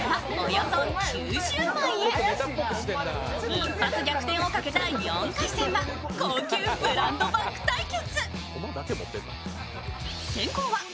一発逆転をかけた４回戦は高級ブランドバッグ対決。